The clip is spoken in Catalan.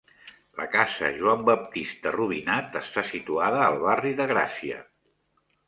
La Casa Joan Baptista Rubinat està situada al barri de Gràcia.